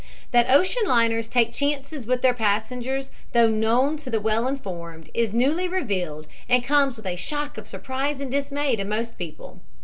That ocean liners take chances with their passengers, though known to the well informed, is newly revealed and comes with a shock of surprise and dismay to most people.